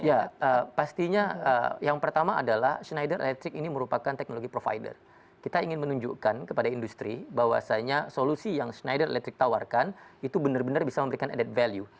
ya pastinya yang pertama adalah schneider electric ini merupakan teknologi provider kita ingin menunjukkan kepada industri bahwasannya solusi yang schneider electric tawarkan itu benar benar bisa memberikan added value